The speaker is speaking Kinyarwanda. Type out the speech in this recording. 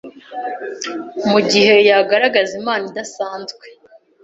mu gihe yagaragazaga impano idasanzwe